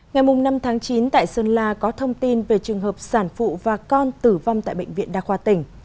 ngày năm tháng chín tại sơn la có thông tin về trường hợp sản phụ và con tử vong tại bệnh viện đa khoa tỉnh